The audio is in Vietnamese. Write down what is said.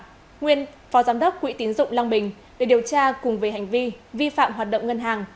nguyên phó giám đốc quỹ tiến dụng long bình để điều tra cùng về hành vi vi phạm hoạt động ngân hàng